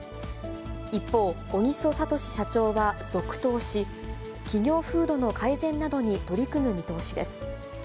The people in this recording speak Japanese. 一方、小木曽聡社長は続投し、企業風土の改善などに取り組む見通しです。